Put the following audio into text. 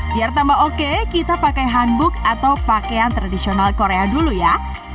biar tambah oke kita pakai hanbook atau pakaian tradisional korea dulu ya